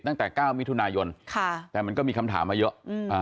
ตั้งแต่เก้ามิถุนายนค่ะแต่มันก็มีคำถามมาเยอะ